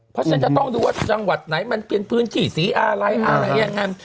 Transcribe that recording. เพราะฉะนั้นจะต้องดูว่าจังหวัดไหนมันเปลี่ยนพื้นที่ศีลอ่าไรอ่าไรอย่างนั้น